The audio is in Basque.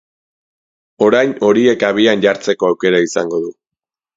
Orain horiek abian jartzeko aukera izango du.